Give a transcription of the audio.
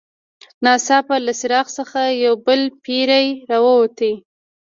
ناڅاپه له څراغ څخه یو بل پیری راووت.